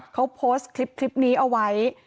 เขาโพสต์คลิปนี้เอาไว้